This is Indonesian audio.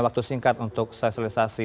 waktu singkat untuk sosialisasi